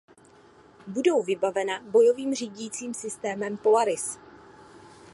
Budou vybavena bojovým řídícím systémem Polaris.